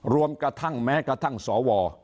รวมกระทั่งแม้กระทั่งสว